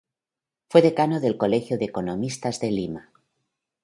Fue decano del Colegio de Economistas de Lima.